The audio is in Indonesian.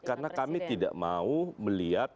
karena kami tidak mau melihat